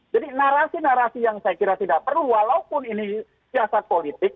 jadi narasi narasi yang saya kira tidak perlu walaupun ini siasat politik